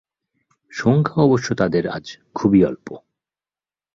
সংখ্যা অবশ্য তাদের আজ খুবই অল্প।